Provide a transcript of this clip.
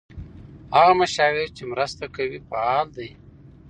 هغه مشاور چې مرسته کوي فعال دی.